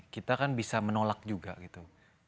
kita kan bisa menolak juga gitu